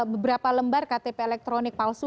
beberapa lembar ktp elektronik palsu